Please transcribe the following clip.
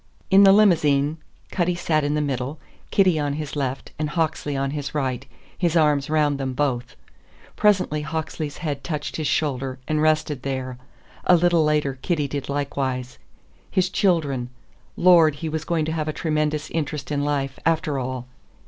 In the limousine Cutty sat in the middle, Kitty on his left and Hawksley on his right, his arms round them both. Presently Hawksley's head touched his shoulder and rested there; a little later Kitty did likewise. His children! Lord, he was going to have a tremendous interest in life, after all!